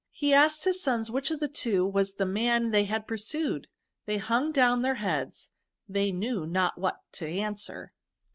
He asked his sons which of the two was the man they had pursued : they hung down their heads, and knew not what to answer.